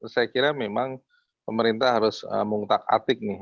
saya kira memang pemerintah harus mengutak atik nih